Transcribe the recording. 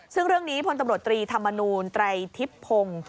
ซึ่งเรื่องนี้พลตำรวจตรีธรรมนูลไตรทิพย์พงศ์